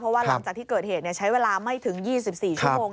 เพราะว่าหลังจากที่เกิดเหตุใช้เวลาไม่ถึง๒๔ชั่วโมง